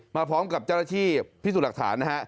มาพร้อมกับเจ้าหน้าที่พิสูจน์หลักฐานนะฮะ